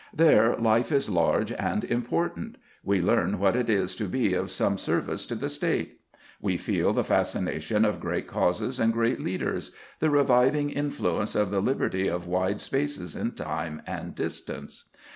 Then life is large and important; we learn what it is to be of some service to the State; we feel the fascination of great causes and great leaders, the reviving influence of the liberty of wide spaces in time and distance.